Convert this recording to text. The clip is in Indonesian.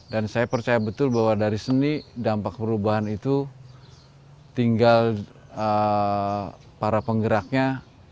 saya percaya betul bahwa dari seni dampak perubahan itu tinggal para penggeraknya